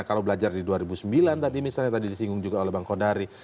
kalau belajar di dua ribu sembilan tadi misalnya tadi disinggung juga oleh bang kodari